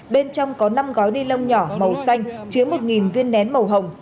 bên trong có năm gói ni lông nhỏ màu xanh chứa một viên nén màu hồng